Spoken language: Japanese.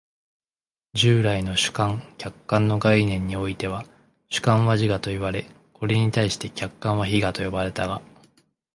従来の主観・客観の概念においては、主観は自我といわれ、これに対して客観は非我と呼ばれたが、